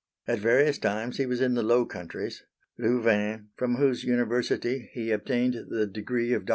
At various times he was in the Low Countries, Louvain (from whose University he obtained the degree of LL.